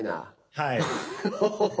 はい。